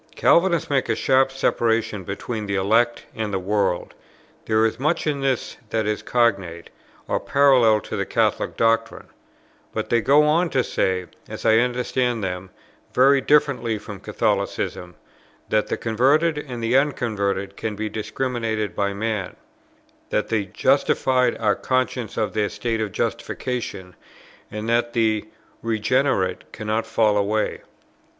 Calvinists make a sharp separation between the elect and the world; there is much in this that is cognate or parallel to the Catholic doctrine; but they go on to say, as I understand them, very differently from Catholicism, that the converted and the unconverted can be discriminated by man, that the justified are conscious of their state of justification, and that the regenerate cannot fall away.